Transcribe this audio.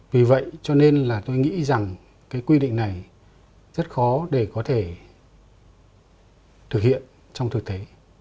vì vậy cho nên là tôi nghĩ rằng cái quy định này rất khó để có thể thực hiện trong thực tế